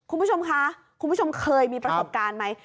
คุณผู้ชมคะคุณผู้ชมเคยมีประสบการณ์ไหม